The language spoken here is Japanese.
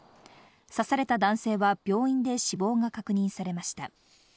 刺された男性は病院で死亡が確認されました。